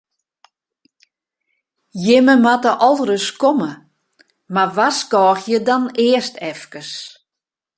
Jimme moatte al ris komme, mar warskôgje dan earst efkes.